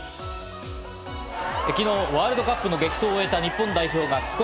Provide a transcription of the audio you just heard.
昨日、ワールドカップの激闘を終えた日本代表が帰国。